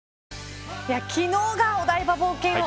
昨日がお台場冒険王